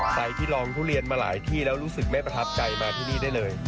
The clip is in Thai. ใครที่ลองทุเรียนมาหลายที่แล้วรู้สึกไม่ประทับใจมาที่นี่ได้เลย